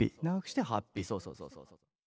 そうそうそう。